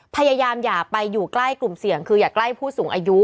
อย่าไปอยู่ใกล้กลุ่มเสี่ยงคืออย่าใกล้ผู้สูงอายุ